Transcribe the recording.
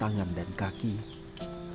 dengan kebenaran yang sangat baik dan sempurna